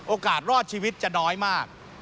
โอกาสรอดชีวิตจะน้อยมาก